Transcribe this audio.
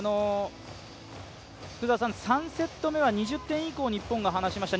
福澤さん、３セット目は２０点以降日本が離しました。